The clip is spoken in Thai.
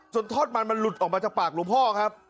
ทอดมันมันหลุดออกมาจากปากหลวงพ่อครับ